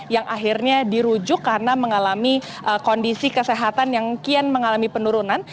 yang akhirnya dirujuk karena mengalami kondisi kesehatan yang kian mengalami penurunan